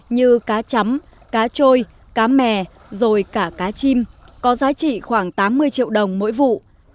như cá chấm cá trôi cá mè rồi cả cá chim có giá trị khoảng tám mươi triệu đồng mỗi vụ